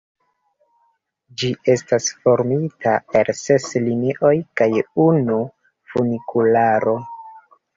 Ĝi estas formita el ses linioj kaj unu funikularo.